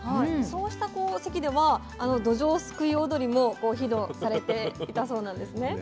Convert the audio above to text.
そうした席ではどじょうすくい踊りもご披露されていたそうなんですね。